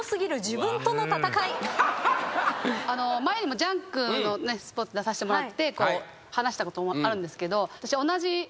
前にも『ジャンクＳＰＯＲＴＳ』出させてもらって話したこともあるんですけど。